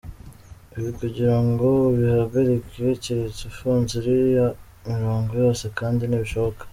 Ibi kugira ngo ubihagarike keretse ufunze iriya mirongo yose kandi ntibishoboka.